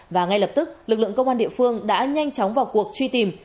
và ngay lập tức lực lượng công an địa phương đã nhanh chóng vào cuộc truy tìm